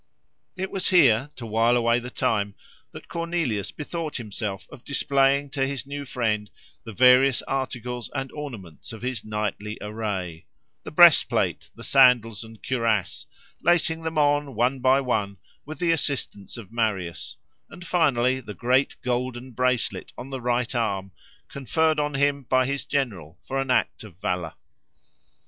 It was here, to while away the time, that Cornelius bethought himself of displaying to his new friend the various articles and ornaments of his knightly array—the breastplate, the sandals and cuirass, lacing them on, one by one, with the assistance of Marius, and finally the great golden bracelet on the right arm, conferred on him by his general for an act of valour.